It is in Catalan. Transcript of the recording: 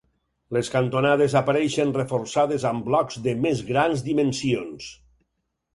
Les cantonades apareixen reforçades amb blocs de més grans dimensions.